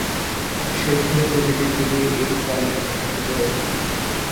সেই থেকে প্রতিটি যুগেই এই তালিকা প্রকাশিত হয়েছে।